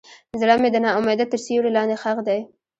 زړه مې د ناامیدۍ تر سیوري لاندې ښخ دی.